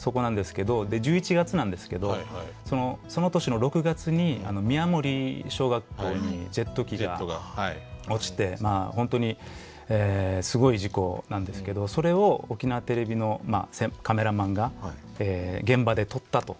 で１１月なんですけどその年の６月に宮森小学校にジェット機が落ちて本当にすごい事故なんですけどそれを沖縄テレビのカメラマンが現場で撮ったと。